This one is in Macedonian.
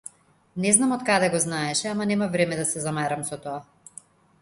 Не знам од каде го знаеше ама немав време да се замарам со тоа.